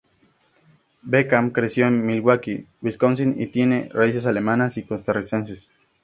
Beckman creció en Milwaukee, Wisconsin y tiene raíces alemanas y costarricenses.